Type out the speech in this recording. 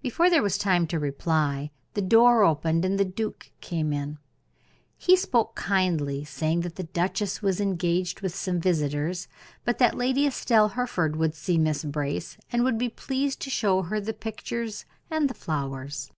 Before there was time to reply, the door opened, and the duke came in. He spoke kindly, saying that the duchess was engaged with some visitors, but that Lady Estelle Hereford would see Miss Brace, and would be pleased to show her the pictures and the flowers.